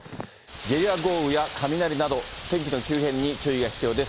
ゲリラ豪雨や雷など、天気の急変に注意が必要です。